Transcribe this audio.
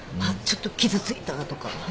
ちょっと傷ついたな」とか。